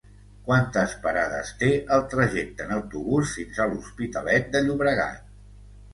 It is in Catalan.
Quantes parades té el trajecte en autobús fins a l'Hospitalet de Llobregat?